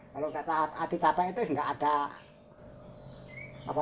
kalau kata ati capek itu nggak ada apa apa